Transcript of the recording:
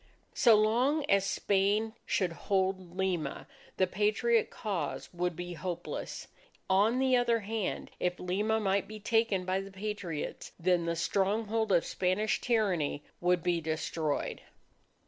So long as Spain should hold Lima, the Patriot cause would be hopeless. On the other hand, if Lima might be taken by the Patriots, then the stronghold of Spanish tyranny would be destroyed.